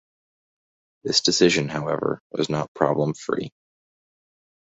This decision, however, was not problem-free.